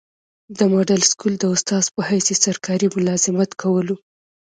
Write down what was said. دمډل سکول د استاذ پۀ حيث ئي سرکاري ملازمت کولو